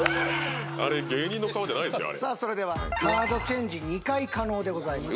さあそれではカードチェンジ２回可能でございます。